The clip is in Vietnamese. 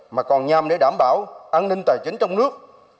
mà còn nhằm để đảm bảo an ninh tài chính trong nước